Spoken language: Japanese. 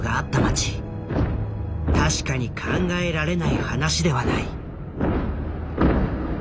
確かに考えられない話ではない。